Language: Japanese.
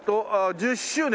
「１０周年」。